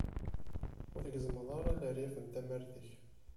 Ur tgezzmeḍ ara leryaf n tamart-ik.